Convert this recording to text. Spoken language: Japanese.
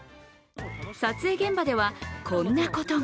撮影現場ではこんなことが